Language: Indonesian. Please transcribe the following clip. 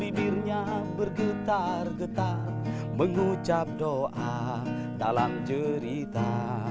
bibirnya bergetar getar mengucap doa dalam cerita